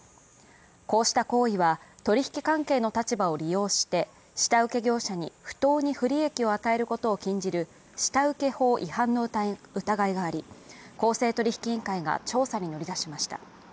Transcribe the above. こうした行為は、取り引き関係の立場を利用して下請業者に不当に不利益を与えることを禁じる下請け法違反の疑いがあり公正取引委員会が調査に乗り出しました。